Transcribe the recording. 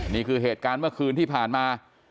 นี่คือเหตุการณ์เมื่อคืนที่ผ่านมา